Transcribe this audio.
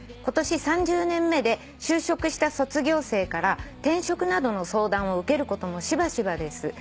「今年３０年目で就職した卒業生から転職などの相談を受けることもしばしばです」